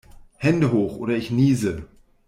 Hände hoch oder ich niese!